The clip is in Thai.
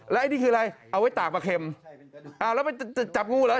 แล้วไอ้นี่คืออะไรเอาไว้ตากมะเข็มอะแล้วไปจับงูเหรอ